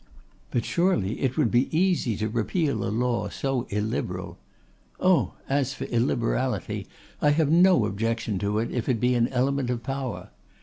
'But surely it would be easy to repeal a law so illiberal ' 'Oh! as for illiberality, I have no objection to it if it be an element of power.